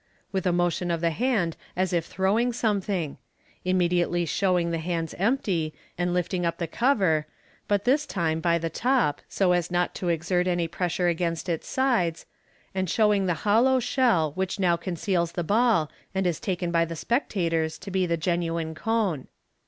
* jvith a motion of the hand as if throwing something; immediately showing the hands empty, and lifting up the cover (but this time by the top, so as not to exert any pressure against its sides), and show ing the hollow shell, which now conceals the ball, and is taken by the spectators to be the genuine cone.